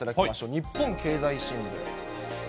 日本経済新聞。